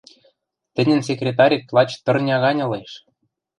Тӹньӹн секретарет лач тырня гань ылеш».